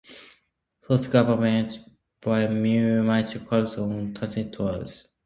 Those governed by a municipal council are termed towns.